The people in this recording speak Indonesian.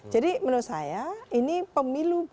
menurut saya ini pemilu